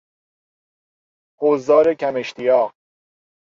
حضار کماشتیاق